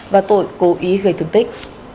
và tội cố ý gây thương tích